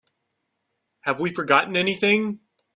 Have we forgotten anything?